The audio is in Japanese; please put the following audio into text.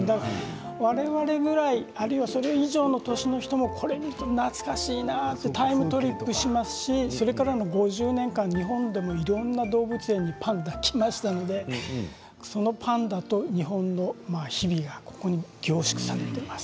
我々ぐらい、あるいはそれ以上の年の人もこれを見て懐かしいなタイムトリップしますしそれからの５０年間日本でもいろんな動物園にパンダが来ましたのでそのパンダと日本の日々がここに凝縮されています。